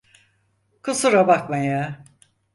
Kusura bakma ya.